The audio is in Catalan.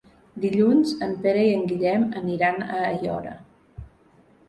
Dilluns en Pere i en Guillem aniran a Aiora.